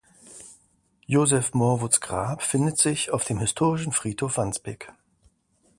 Joseph Morewoods Grab findet sich auf dem Historischen Friedhof Wandsbek.